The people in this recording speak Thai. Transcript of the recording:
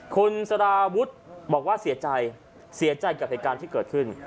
คุณสารวุฒิบอกว่าเสียใจเสียใจกับเหตุการณ์ที่เกิดขึ้น